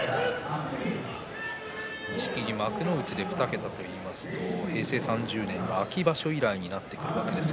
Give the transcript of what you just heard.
錦木、幕内で２桁といいますと平成３０年の秋場所以来になります。